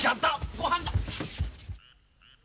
ごはんだ！